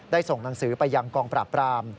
ส่งหนังสือไปยังกองปราบราม